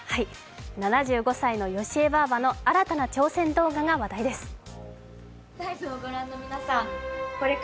７５歳のよしえばぁばの新たな挑戦動画が話題です。